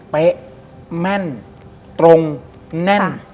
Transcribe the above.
เป๊ะแม่นตรงแน่น